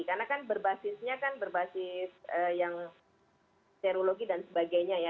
karena kan berbasisnya kan berbasis yang serologi dan sebagainya ya